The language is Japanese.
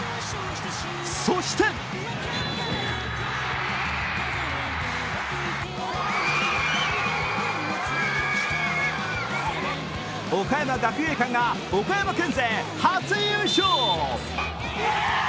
そして岡山学芸館が岡山県勢初優勝。